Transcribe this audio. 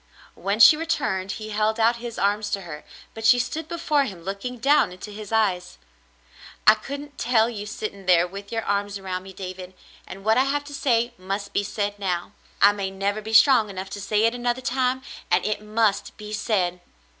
When she returned, he held out his arms to her, but she stood before him looking down into his eyes, "I couldn't 308 The Mountain Girl tell you sitting there with your arms around me, David, and what I have to say must be said now ; I may never be strong enough to say it another time, and it must be said."